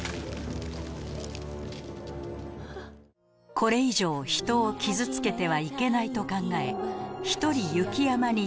これ以上人を傷つけてはいけないと考え